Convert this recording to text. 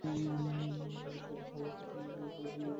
তবে ঝোড়ো হাওয়ার সঙ্গে প্রচুর পরিমাণে জলীয় বাষ্প সারা দেশে ছড়িয়ে পড়েছে।